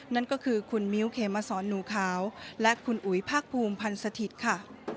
นั่นก็คือคุณมิ้วเขมสอนหนูขาวและคุณอุ๋ยภาคภูมิพันธ์สถิตย์ค่ะ